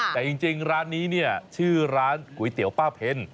แต่จริงร้านนี้เนี่ยชื่อร้านก๋วยเตี๋ยวป้าเพ็ญ